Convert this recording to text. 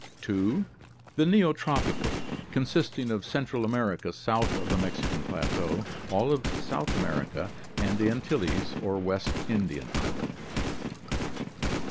2. The Neotropical, consisting of Central America south of the Mexican plateau, all of South America and the Antilles or West Indian islands.